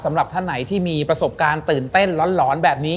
สำหรับท่านไหนที่มีประสบการณ์ตื่นเต้นหลอนแบบนี้